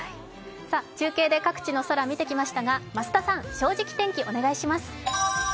中継で各地の空、見てきましたが、増田さん、「正直天気」、お願いします。